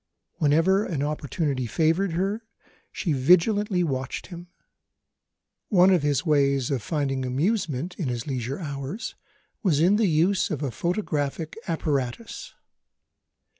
Whenever an opportunity favoured her, she vigilantly watched him. One of his ways of finding amusement, in his leisure hours, was in the use of a photographic apparatus.